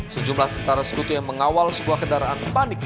sejumlah tentara sekutu yang mengawal sebuah kendaraan panik